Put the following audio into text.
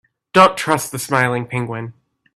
Don't trust the smiling penguin.